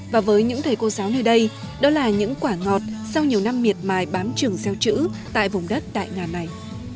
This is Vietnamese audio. và với những thầy cô giáo nơi đây đó là những quả ngọt sau nhiều năm miệt mài bám trường gieo chữ tại vùng đất đại ngàn này